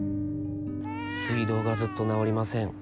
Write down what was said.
「水道がずっと直りません。